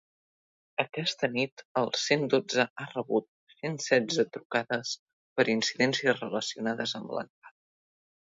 Aquesta nit, el cent dotze ha rebut cent setze trucades per incidències relacionades amb la nevada.